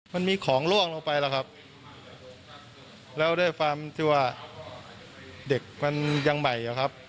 มันมีของล่วงลงไปแล้วครับแล้วด้วยความที่ว่าเด็กมันยังใหม่อะครับ